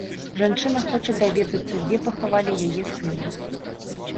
Жанчына хоча даведацца, дзе пахавалі яе сына.